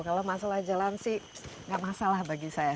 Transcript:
kalau masuklah jalan sih enggak masalah bagi saya